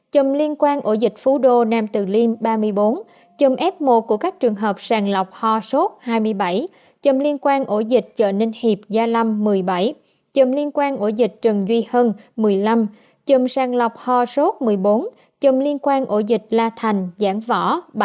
chồng liên quan ổ dịch phú đô nam từ liêm ba mươi bốn chồng f một của các trường hợp sàng lọc ho sốt hai mươi bảy chầm liên quan ổ dịch chợ ninh hiệp gia lâm một mươi bảy chùm liên quan ổ dịch trần duy hân một mươi năm chùm sàng lọc ho sốt một mươi bốn chồng liên quan ổ dịch la thành giảng võ